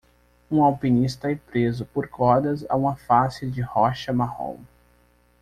Um alpinista é preso por cordas a uma face de rocha marrom.